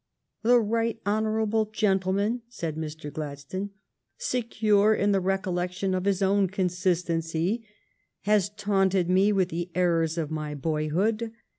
" The right honorable gentleman," said Mr. Gladstone, " secure in the recollection of his own consistency, has taunted me with the errors of my boyhood.